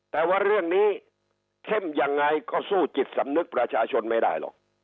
แต่ว่าเรื่องนี้เข้มยังไงก็สู้จิตสำนึกประชาชนไม่ได้หรอก